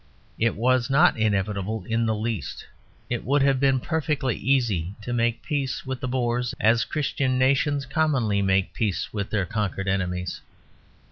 It was not inevitable in the least; it would have been perfectly easy to make peace with the Boers as Christian nations commonly make peace with their conquered enemies.